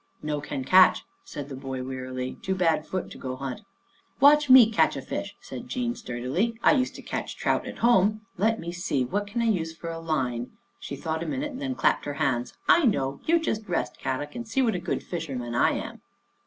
"" No can catch," said the boy wearily. " Too bad foot to go hunt." " Watch me catch a fish," said Jean sturdily. " I used to catch trout at home. Let me see, Dandy Saves the Day 123 what can I use for a line?" She thought a minute, then clapped her hands. " I know, you just rest, Kadok, and see what a good fisherman I am!"